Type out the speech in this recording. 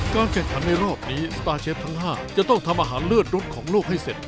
แข่งขันในรอบนี้สตาร์เชฟทั้ง๕จะต้องทำอาหารเลือดรสของลูกให้เสร็จ